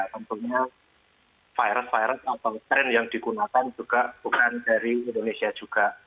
tentunya virus virus atau tren yang digunakan juga bukan dari indonesia juga